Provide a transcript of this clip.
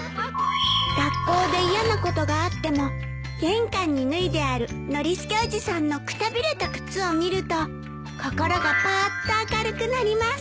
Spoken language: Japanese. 「学校で嫌なことがあっても玄関に脱いであるノリスケおじさんのくたびれた靴を見ると心がパッと明るくなります」